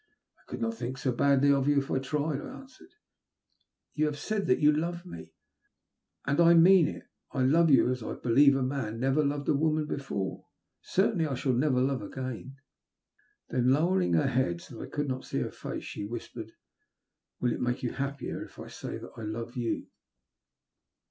" I could not think so badly of you if I tried," I answered. "You have said that you love me?" "And I mean it I love you as I believe man never loved woman before — certainly as I shall never love again." Then, lowering her head so that I could not see her face, she whispered — "Will it make you happier if I say that I love you